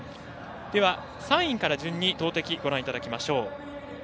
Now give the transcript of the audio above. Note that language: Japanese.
３位から順に投てきをご覧いただきましょう。